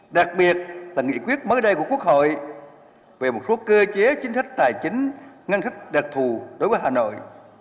đặc biệt là nghị quyết mới đây của quốc hội về một số cơ chế chính thức tài chính ngăn thích đạt thù đối với hà nội